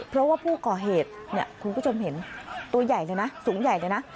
เพราะว่าผู้ก่อเหตุเนี่ยคุณผู้ชมเห็นตัวใหญ่เลยนะสูงใหญ่เลยนะ